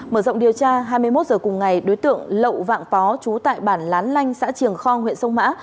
mở rộng điều tra hai mươi một h cùng ngày đối tượng lậu pó chú tại bản lán lanh xã triềng khong huyện sông mã